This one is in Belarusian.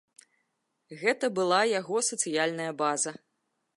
Гэта была яго сацыяльная база.